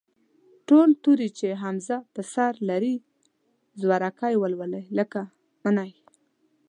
ټول توري چې همزه پر سر لري، زورکی ولولئ، لکه: مٔنی.